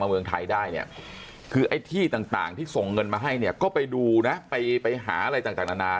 เมืองไทยได้เนี่ยคือไอ้ที่ต่างที่ส่งเงินมาให้เนี่ยก็ไปดูนะไปไปหาอะไรต่างนานา